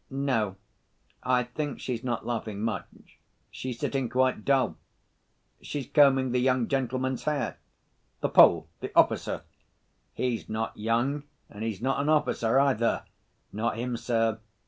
"No, I think she's not laughing much. She's sitting quite dull. She's combing the young gentleman's hair." "The Pole—the officer?" "He's not young, and he's not an officer, either. Not him, sir.